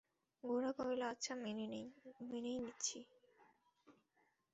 গোরা কহিল, আচ্ছা, মেনেই নিচ্ছি।